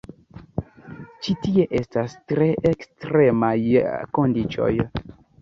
Ĉi tie estas tre ekstremaj kondiĉoj.